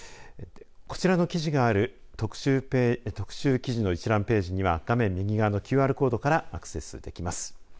こちらの記事がある、特集記事の一覧ページには画面右側のＱＲコードからアクセスできます。